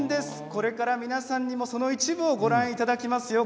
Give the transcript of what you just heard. これから皆さんにもその一部をご覧いただきますよ。